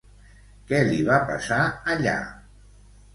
Què li va passar allà?